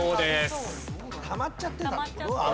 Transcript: たまっちゃって。